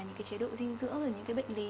những cái chế độ dinh dưỡng rồi những cái bệnh lý